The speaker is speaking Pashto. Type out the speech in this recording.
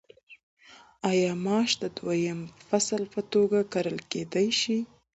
آیا ماش د دویم فصل په توګه کرل کیدی شي؟